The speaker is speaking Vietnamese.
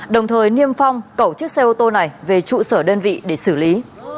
đồng thời niêm phong cẩu chiếc xe ô tô này về trụ sở đơn vị để xử lý